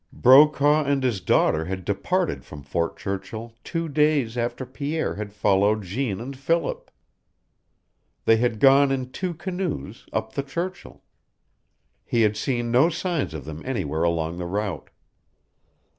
Brokaw and his daughter had departed from Fort Churchill two days after Pierre had followed Jeanne and Philip. They had gone in two canoes, up the Churchill. He had seen no signs of them anywhere along the route.